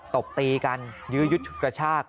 ตบตีกันยื้อยุดกระชาก